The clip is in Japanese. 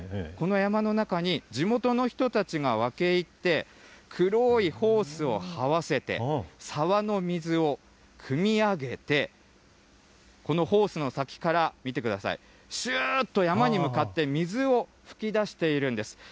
この山の中に地元の人たちが分け入って、黒いホースをはわせて、沢の水をくみ上げて、このホースの先から見てください、しゅーっと山に向かって水を吹き出しているんです。